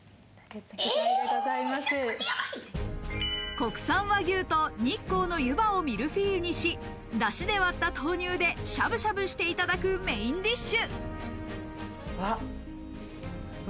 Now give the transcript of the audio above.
国産和牛と日光の湯波をミルフィーユにし、だしで割った豆乳でしゃぶしゃぶしていただくメインディッシュ。